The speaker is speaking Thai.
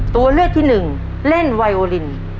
ตัวเลือกที่หนึ่งเล่นไวโอลิน